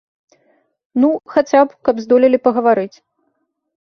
Ну, хаця б, каб здолелі пагаварыць.